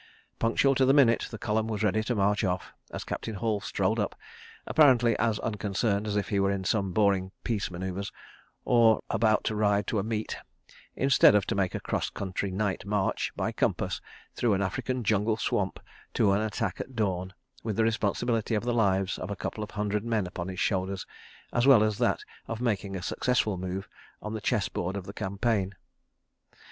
Punctual to the minute, the column was ready to march off, as Captain Hall strolled up, apparently as unconcerned as if he were in some boring peace manœuvres, or about to ride to a meet, instead of to make a cross country night march, by compass, through an African jungle swamp to an attack at dawn, with the responsibility of the lives of a couple of hundred men upon his shoulders, as well as that of making a successful move on the chess board of the campaign.